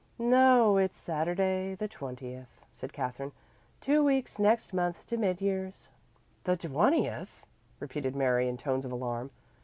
"No, it's Saturday, the twentieth," said Katherine. "Two weeks next Monday to mid years." "The twentieth!" repeated Mary in tones of alarm.